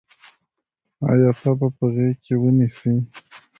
آیا تا به په غېږ کې ونیسي.